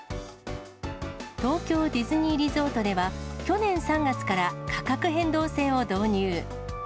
東京ディズニーリゾートでは、去年３月から価格変動制を導入。